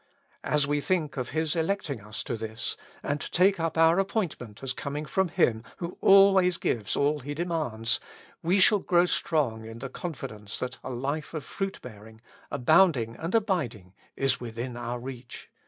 As we think of His electing us to this, and take up our appointment as coming from Him who always gives all He demands, we shall grow strong in the con fidence that a life of fruit bearing, abounding and abiding, is within our reach.